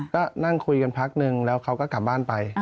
ก็นั่งคุยกันพักนึงแล้วเขาก็กลับบ้านไป